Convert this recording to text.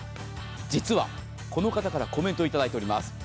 実はこの方からコメントいただいております。